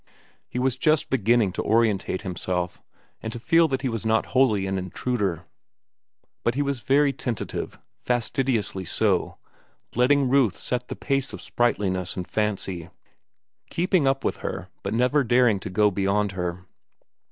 He was just beginning to orientate himself and to feel that he was not wholly an intruder. But he was very tentative, fastidiously so, letting Ruth set the pace of sprightliness and fancy, keeping up with her but never daring to go beyond her.